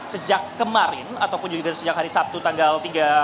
sejak kemarin ataupun juga sejak hari sabtu tanggal tiga